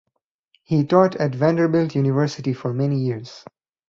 He taught at Vanderbilt University for many years.